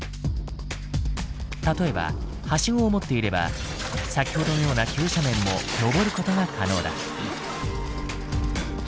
例えばハシゴを持っていれば先ほどのような急斜面ものぼることが可能だ。